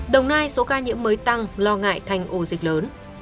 đồng nai số ca nhiễm mới tăng lo ngại thành ổ dịch lớn